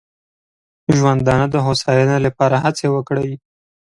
ژوندانه د هوساینې لپاره هڅې وکړي.